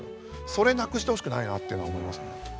それなくしてほしくないなっていうのは思いますね。